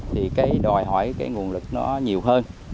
thì cái đòi hỏi cái nguồn lực nó nhiều hơn